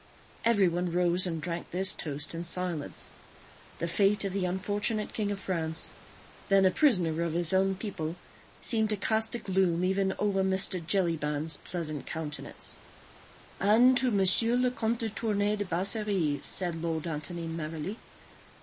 Everyone rose and drank this toast in silence. The fate of the unfortunate King of France, then a prisoner of his own people, seemed to cast a gloom even over Mr. Jellyband's pleasant countenance. "And to M. le Comte de Tournay de Basserive," said Lord Antony, merrily.